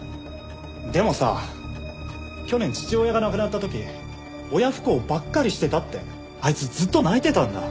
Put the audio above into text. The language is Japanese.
でもさ去年父親が亡くなった時親不孝ばっかりしてたってあいつずっと泣いてたんだ。